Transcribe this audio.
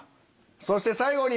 そして最後に。